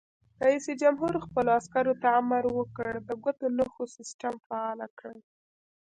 رئیس جمهور خپلو عسکرو ته امر وکړ؛ د ګوتو نښو سیسټم فعال کړئ!